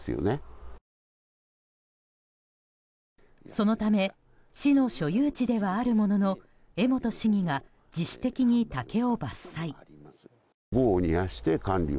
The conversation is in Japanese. そのため市の所有地ではあるものの江本市議が自主的に竹を伐採。